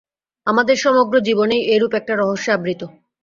আমাদের সমগ্র জীবনই এইরূপ একটা রহস্যে আবৃত।